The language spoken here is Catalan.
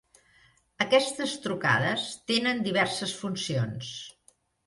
Aquestes trucades tenen diverses funcions.